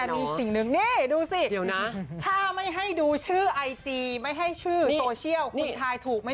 นี่ดูสิถ้าไม่ให้ดูชื่อไอจีไม่ให้ชื่อโทเชียลคุณคลายถูกมั้ย